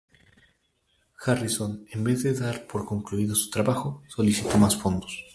Harrison, en vez de dar por concluido su trabajo, solicitó más fondos.